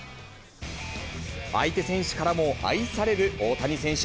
相手選手からも愛される大谷選手。